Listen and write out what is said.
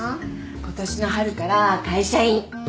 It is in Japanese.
ことしの春から会社員。